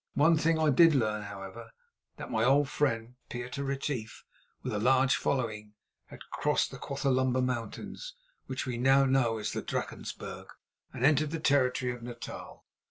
One thing I did learn, however, that my old friend, Pieter Retief, with a large following, had crossed the Quathlamba Mountains, which we now know as the Drakensberg, and entered the territory of Natal.